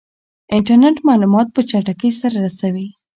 انټرنیټ معلومات په چټکۍ سره رسوي.